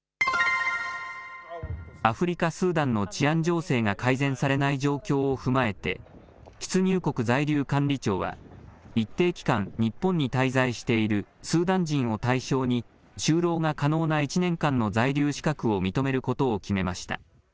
アフリカ・スーダンの治安情勢が改善されない状況を踏まえて出入国在留管理庁は一定期間、日本に滞在しているスーダン人を対象に就労が可能な１年間の在留資格を認めることを決めました。